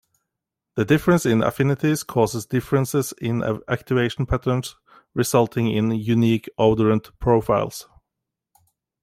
The difference in affinities causes differences in activation patterns resulting in unique odorant profiles.